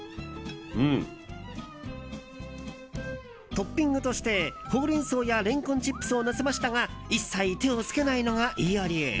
トッピングとしてホウレンソウやレンコンチップスをのせましたが一切、手をつけないのが飯尾流。